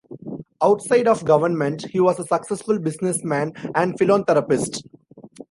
Outside of government, he was a successful businessman and philanthropist.